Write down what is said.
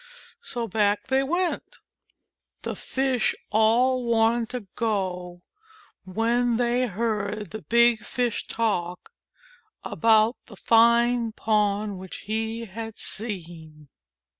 So back they went. The Fishes all wanted to go when they heard the big Fish talk about the fine pond which he had seen.